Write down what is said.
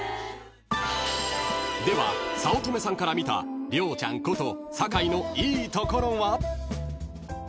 ［では早乙女さんから見たりょうちゃんこと坂井のいいところは？］